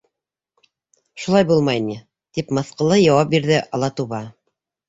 —Шулай булмай ни, —тип мыҫҡыллы яуап бирҙе Алатуба.